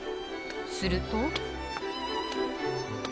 すると。